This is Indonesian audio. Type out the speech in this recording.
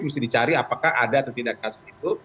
itu bisa dicari apakah ada atau tidak kasus itu